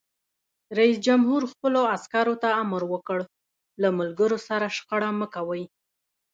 رئیس جمهور خپلو عسکرو ته امر وکړ؛ له ملګرو سره شخړه مه کوئ!